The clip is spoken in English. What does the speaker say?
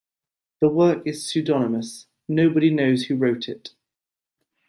The work is pseudonymous: nobody knows who wrote it.